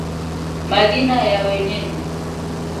Majina ya wenyeji